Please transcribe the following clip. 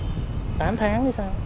chắc là khoảng tám tháng hay sao